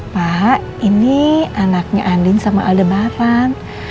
pak ini anaknya andin sama aldebaran